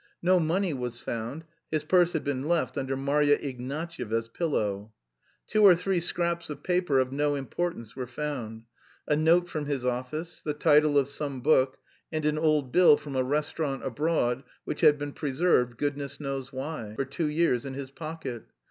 No money was found (his purse had been left under Marya Ignatyevna's pillow). Two or three scraps of paper of no importance were found: a note from his office, the title of some book, and an old bill from a restaurant abroad which had been preserved, goodness knows why, for two years in his pocket.